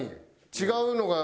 違うのが。